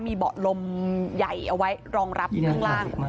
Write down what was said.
มีเบาะลมใหญ่เอาไว้รองรับข้างล่าง